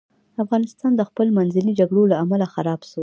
افغانستان د خپل منځي جګړو له امله خراب سو.